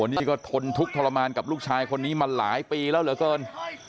นี่ก็ทนทุกข์ทรมานกับลูกชายคนนี้มาหลายปีแล้วเหลือเกิน